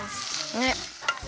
ねっ。